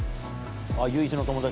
唯一の友達。